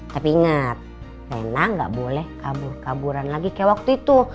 tapi ingat lena gak boleh kabur kaburan lagi kayak waktu itu